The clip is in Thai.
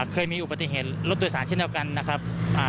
เคยมีอุบัติเหตุรถโดยสารเช่นเดียวกันนะครับ